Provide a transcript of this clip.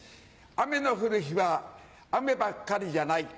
雨の降る日は雨ばっかりじゃない。